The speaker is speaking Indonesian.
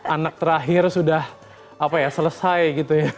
anak terakhir sudah selesai gitu ya